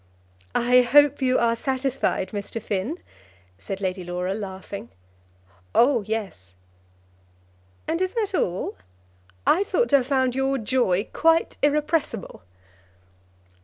"I hope you are satisfied, Mr. Finn," said Lady Laura, laughing. "Oh yes." "And is that all? I thought to have found your joy quite irrepressible."